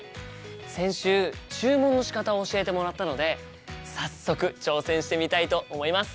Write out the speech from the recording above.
先週注文のしかたを教えてもらったので早速挑戦してみたいと思います。